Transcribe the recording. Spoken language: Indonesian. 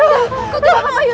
kau tidak apa apa ayah